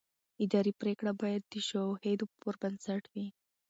اداري پرېکړه باید د شواهدو پر بنسټ وي.